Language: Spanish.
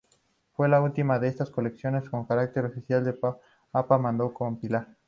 Fue la última de estas colecciones con carácter oficial que un Papa mandó compilar.